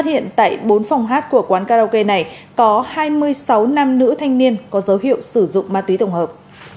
phát hiện tại bốn phòng hát của quán karaoke này có hai mươi sáu nam nữ thanh niên có dấu hiệu sử dụng ma túy tổng hợp